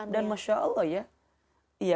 dan masya allah ya